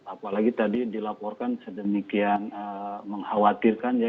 apalagi tadi dilaporkan sedemikian mengkhawatirkan ya